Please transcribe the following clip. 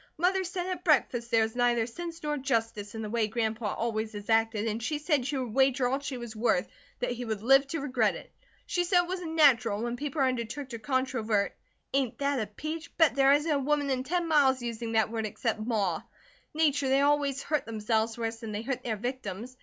Mother said at breakfast there was neither sense nor justice in the way Grandpa always has acted and she said she would wager all she was worth that he would live to regret it. She said it wasn't natural, and when people undertook to controvert ain't that a peach? Bet there isn't a woman in ten miles using that word except Ma nature they always hurt themselves worse than they hurt their victims.